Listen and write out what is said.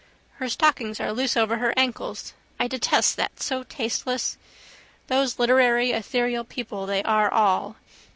Her stockings are loose over her ankles. I detest that: so tasteless. Those literary etherial people they are all.